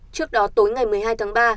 trước đó tối ngày một mươi hai tháng ba